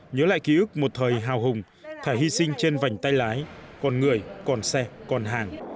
nhớ lại ký ức một thời hào hùng thà hy sinh trên vành tay lái còn người còn xe còn hàng